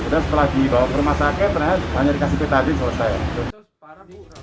dan setelah dibawa ke rumah sakit hanya dikasih petazin selesai